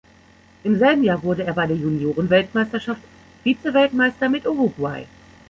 Im selben Jahr wurde er bei der Junioren-Weltmeisterschaft Vize-Weltmeister mit Uruguay.